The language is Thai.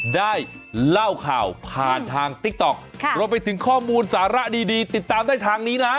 ได้เล่าข่าวผ่านทางติ๊กต๊อกรวมไปถึงข้อมูลสาระดีติดตามได้ทางนี้นะ